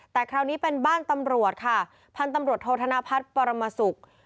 แต่คราวนี้เป็นบ้านตำรวจค่ะพันธุ์ตำรวจโทษธนพัฒน์ปรมศุกร์